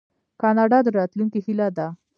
کاناډا د راتلونکي هیله ده.